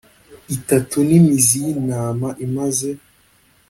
Itatu n im zi y intama imaze